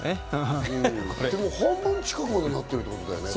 でも半分近くになってるってことだね。